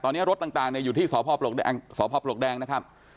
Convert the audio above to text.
ตอนนี้รถต่างอยู่ที่สพปลวกแดงนะครับ